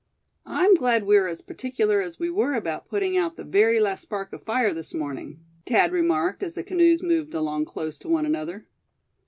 "I'm glad we were as particular as we were about putting out the very last spark of fire this morning," Thad remarked, as the canoes moved along close to one another.